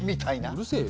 うるせえよ。